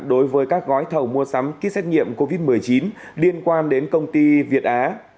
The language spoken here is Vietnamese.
đối với các gói thầu mua sắm kit xét nghiệm covid một mươi chín liên quan đến công ty việt á